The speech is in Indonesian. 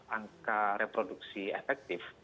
angka reproduksi efektif